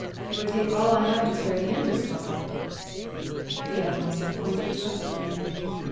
It would take all I have to carry HIM as far!" "The other must have pointed you out to him!"